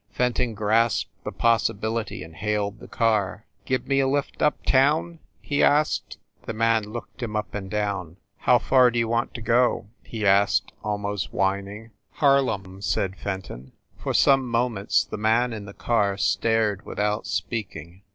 Fenton grasped the possibility and hailed the car. "Give me a lift up town?" he asked. THE ST. PAUL BUILDING 211 The man looked him up and down. "How far d you want to go ?" he asked, almost whining. "Harlem," said Fenton. For some moments the man in the car stared, without speaking.